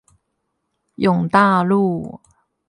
永大路